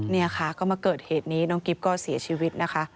นี่ค่ะก็มาเกิดเหตุนี้น้องกิ๊บก็เสียชีวิตนะคะ